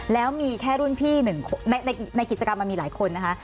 แล้วมีแค่รุ่นพี่หนึ่งในกิจกรรมมันมีหลายคนนะคะ